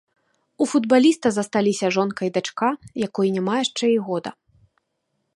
У футбаліста засталіся жонка і дачка, якой няма яшчэ і года.